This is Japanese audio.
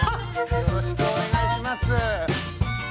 よろしくお願いします。